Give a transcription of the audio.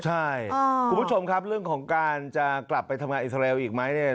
ใช่คุณผู้ชมครับเรื่องของการจะกลับไปทำงานอิสราเอลอีกไหมเนี่ย